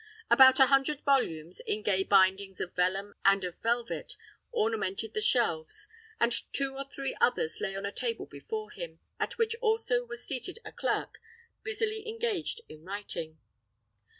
About a hundred volumes, in gay bindings of vellum and of velvet, ornamented the shelves, and two or three others lay on a table before him, at which also was seated a clerk, busily engaged in writing.